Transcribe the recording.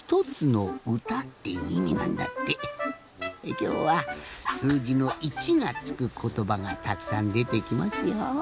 きょうはすうじの一がつくことばがたくさんでてきますよ。